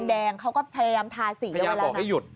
แดงเขาก็พยายามทาสีพยายามบอกให้หยุด